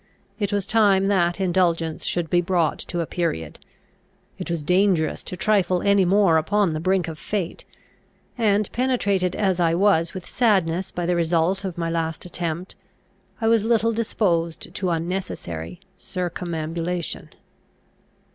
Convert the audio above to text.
It was time that indulgence should be brought to a period. It was dangerous to trifle any more upon the brink of fate; and, penetrated as I was with sadness by the result of my last attempt, I was little disposed to unnecessary circumambulation.